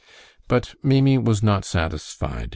But Maimie was not satisfied.